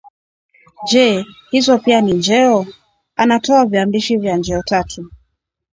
je hizo pia ni njeo? Anatoa viambishi vya njeo tatu